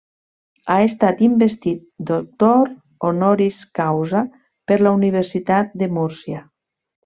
Ha estat investit doctor honoris causa per la Universitat de Múrcia.